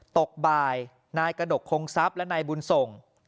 ตกบ่ายนายกระดกคงทรัพย์และนายบุญส่ง